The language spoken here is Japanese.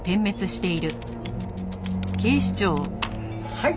はい！